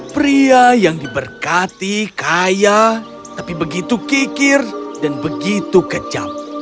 pria yang diberkati kaya tapi begitu kikir dan begitu kejam